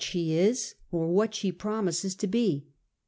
she is or what she promises to he.